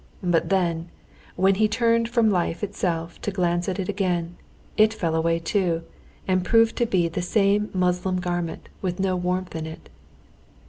But then, when he turned from life itself to glance at it again, it fell away too, and proved to be the same muslin garment with no warmth in it.